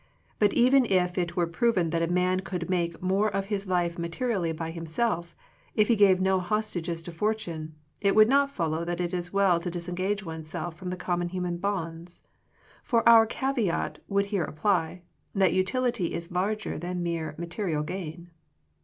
But even if it were proven that a man could make more of his life materially by himself, if he gave no hostages to fortune, it would not fol low that it is well to disentangle oneself from the common human bonds; for our caveat would here apply, that utility is larger than mere material gain.